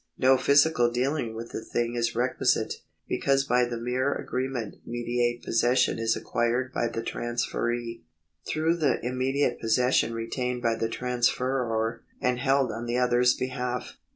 No physical dealing with the thing is requisite, because by the mere agreement mediate posses sion is acquired by the transferee, through the immediate possession retained by the transferor and held on the other's behalf.